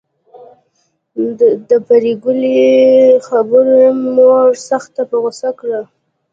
د پري ګلې خبرو مور سخته په غصه کړه